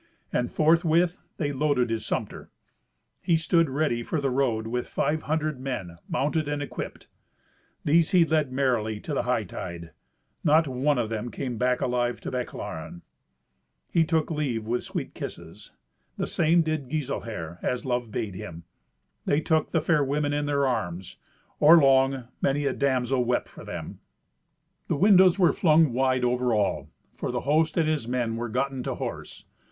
And forthwith they loaded his sumpter. He stood ready for the road with five hundred men, mounted and equipped. These he led merrily to the hightide. Not one of them came back alive to Bechlaren. He took leave with sweet kisses. The same did Giselher, as love bade him. They took the fair women in their arms. Or long, many a damsel wept for them. The windows were flung wide over all, for the host and his men were gotten to horse.